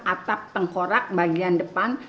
atap tengkorak bagian depan